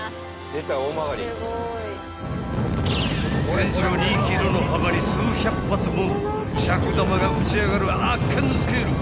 ［全長２ｋｍの幅に数百発もの尺玉が打ち上がる圧巻のスケール］